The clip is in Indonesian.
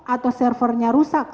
atau servernya rusak